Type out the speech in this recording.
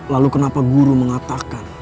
lalu kenapa guru mengatakan